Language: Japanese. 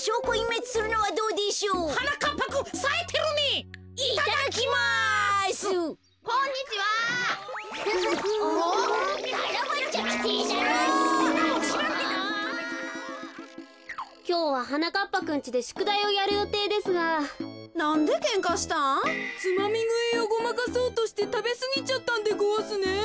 つまみぐいをごまかそうとしてたべすぎちゃったんでごわすね？